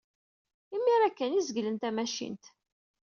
Imir-a kan ay zeglen tamacint.